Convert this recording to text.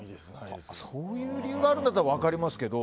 そういう理由があるんだったら分かりますけど。